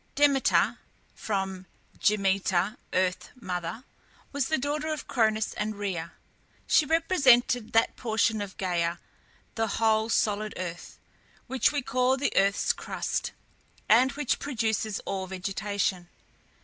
Demeter (from Ge meter, earth mother) was the daughter of Cronus and Rhea. She represented that portion of Gæa (the whole solid earth) which we call the earth's crust, and which produces all vegetation.